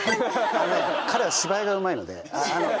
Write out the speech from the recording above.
あのね彼は芝居がうまいので。